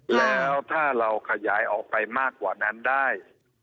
แล้วถ้าเราขยายออกไปมากกว่านั้นได้